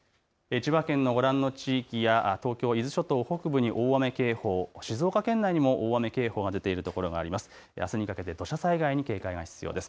千葉県のご覧の地域や東京、伊豆諸島北部に大雨警報、静岡県内にも大雨警報が出ている所があります。